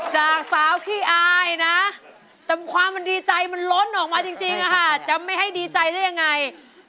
จากสาวขี้อายนะแต่ความมันดีใจมันล้นออกมาจริงจะไม่ให้ดีใจได้ยังไง